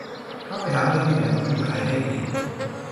เขาไปหาเพื่อนที่ไหนก็ไม่มีใครให้กิน